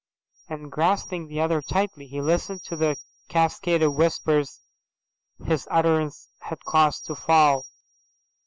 And grasping the other tightly, he listened to the cascade of whispers his utterance had caused to fall.